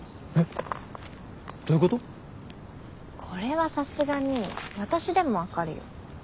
これはさすがに私でも分かるよ。